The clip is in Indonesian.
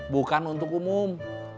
bukan untuk umum